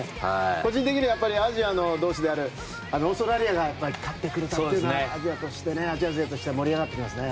個人的にはアジア同士であるオーストラリアが勝ってくれたというのがアジア勢としては盛り上がってきますね。